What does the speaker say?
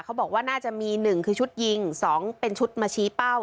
เขาบอกว่าน่าจะมี๑คือชุดยิง๒เป็นชุดมาชี้เป้า